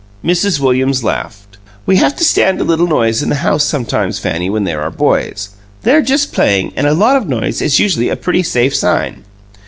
Mrs. Williams laughed. "We have to stand a little noise in the house sometimes, Fanny, when there are boys. They're just playing, and a lot of noise is usually a pretty safe sign."